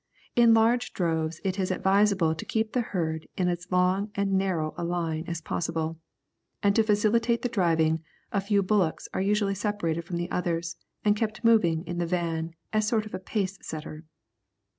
In large droves it is advisable to keep the herd in as long and narrow a line as possible, and to facilitate the driving, a few bullocks are usually separated from the others and kept moving in the van as a sort of pace setter.